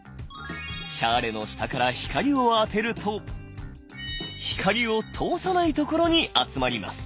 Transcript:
シャーレの下から光を当てると光を通さない所に集まります。